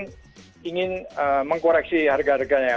jadi ingin mengkoreksi harga harganya ya